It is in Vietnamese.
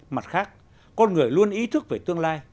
mặt khác con người luôn ý thức về tương lai